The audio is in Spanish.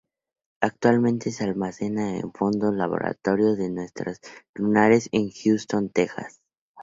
Actualmente se almacena en el Fondo del Laboratorio de Muestras Lunares en Houston, Texas.